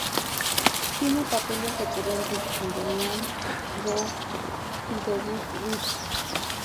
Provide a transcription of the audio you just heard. Tiene papeles recurrentes en "Damien", "Rogue" y "The Good Witch".